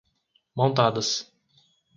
Montadas